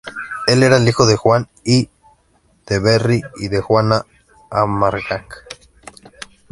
Él era el hijo de Juan I de Berry y de Juana de Armagnac.